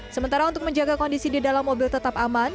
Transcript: sementara untuk menjaga kondisi di dalam mobil tetap aman